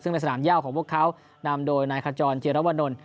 ซึ่งในสนามย่าวของพวกเขานำโดยนายขจรเจรวนล